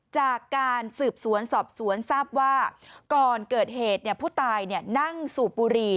จากการสืบสวนสอบสวนทราบว่าก่อนเกิดเหตุผู้ตายนั่งสูบบุหรี่